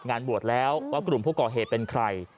งานบวชแล้วว่ากลุ่มผู้ก่อเหตุเป็นใคร